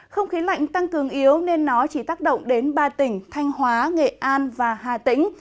không khí lạnh tăng cường yếu nên nó chỉ tác động đến ba tỉnh thanh hóa nghệ an và hà tĩnh